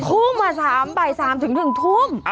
ทุ่มมา๓บ่าย๓ถึง๑ทุ่ม